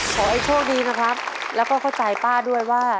ขอให้โชคดีนะครับแล้วก็เข้าใจป้าด้วยว่า